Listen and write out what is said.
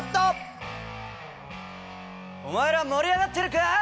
お前ら盛り上がってるか！